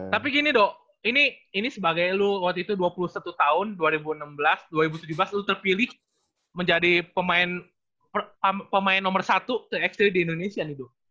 tapi gini dok ini sebagai lu waktu itu dua puluh satu tahun dua ribu enam belas dua ribu tujuh belas lo terpilih menjadi pemain nomor satu terekstri di indonesia nih dok